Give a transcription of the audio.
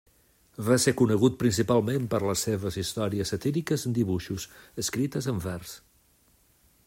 Va ser conegut principalment per les seves històries satíriques en dibuixos, escrites en vers.